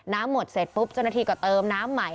หมดเสร็จปุ๊บเจ้าหน้าที่ก็เติมน้ำใหม่